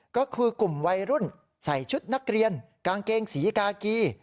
ก็คือกลุ่มวัยรุ่นใส่ชุดนักเรียนกางเกงสีกากี